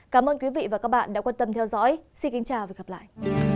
cảm ơn quý vị và các bạn đã quan tâm theo dõi